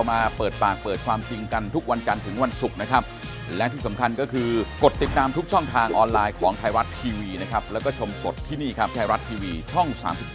มัดตัวคุณมากเท่านั้น